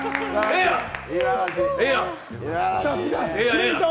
ええやん！